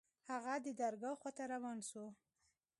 هغه د درګاه خوا ته روان سو.